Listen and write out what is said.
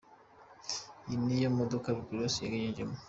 Iyi ni yo modoka Rick Ross yajemo.